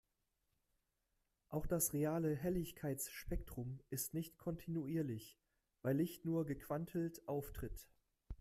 Auch das reale Helligkeitsspektrum ist nicht kontinuierlich, weil Licht nur gequantelt auftritt.